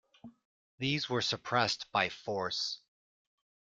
These were suppressed by force.